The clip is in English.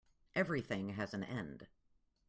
Everything has an end.